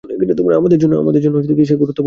আমার জন্য সে গুরুত্বপূর্ণ?